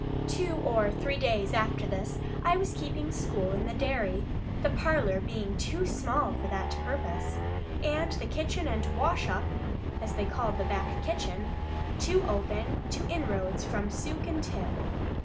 Two or three days after this, I was keeping school in the dairy, the parlour being too small for that purpose, and the kitchen and "wash up" (as they called the back kitchen) too open to inroads from Suke and Tim.